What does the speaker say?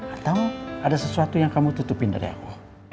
atau ada sesuatu yang kamu tutupin dari aku